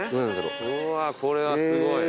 うわこれはすごい。